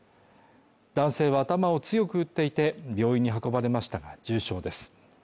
男性は頭を強く打っていて病院に運ばれましたが重傷です。